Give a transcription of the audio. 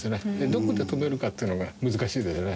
どこで止めるかっていうのが難しいですね。